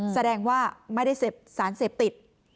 แสดงว่าไม่ได้เสพสารเสพติด